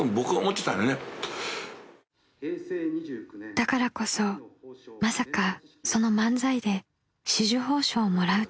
［だからこそまさかその漫才で紫綬褒章をもらうとは］